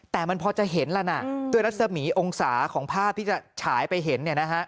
แต่มันพอจะเห็นแล้วนะด้วยรัศมีองศาของภาพที่จะฉายไปเห็น